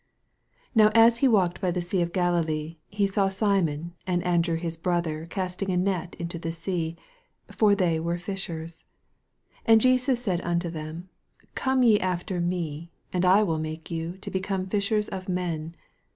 16 Now as he walked by the sea of Galilee, he saw Simon and Andrew his brother casting a net into the sea : for they were fishers. 17 And Jesus said unto them, Come ye after me, and I will make you to become fishers of men.